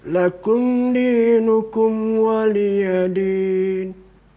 lakum dinukum wali yadin